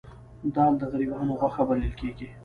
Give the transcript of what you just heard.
دال د غریبانو غوښه بلل کیږي